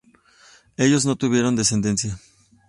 Ellos no tuvieron descendencia.